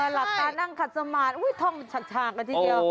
หลับตานั่งขัดสมาธิท่องฉากกันทีเดียว